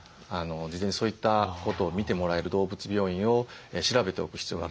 事前にそういったことを診てもらえる動物病院を調べておく必要があると思います。